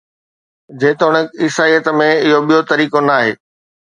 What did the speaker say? جيتوڻيڪ عيسائيت ۾، اهو ٻيو طريقو ناهي